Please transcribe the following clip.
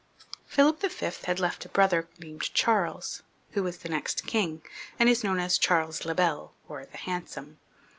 Philip V. had left a brother named Charles, who was the n6xt king, and is known as Charles le Bel, or the Hand some.